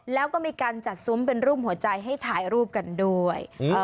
แล้วก็มีการจัดซุ้มเป็นรูปหัวใจให้ถ่ายรูปกันด้วย